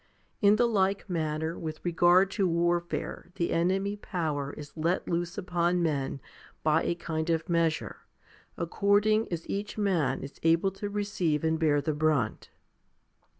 In the like manner with regard to warfare the enemy power is let loose upon men by a kind of measure, according as each man is able to receive and bear the brunt.